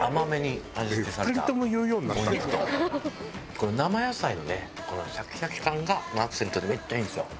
この生野菜のねシャキシャキ感がアクセントでめっちゃいいんですよ。